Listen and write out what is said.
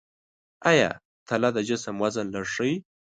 آیا تله د جسم وزن لږ ښيي؟